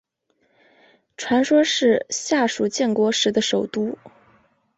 传说是夏禹建国时的首都。